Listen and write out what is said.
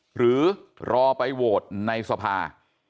หรือรอไปโหวตในสภา